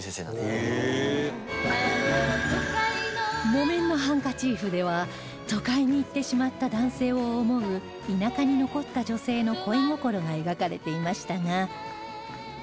『木綿のハンカチーフ』では都会に行ってしまった男性を思う田舎に残った女性の恋心が描かれていましたが